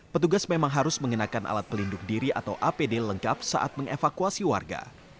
petugas memang harus mengenakan alat pelindung diri atau apd lengkap saat mengevakuasi warga